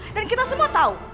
dan kita semua tau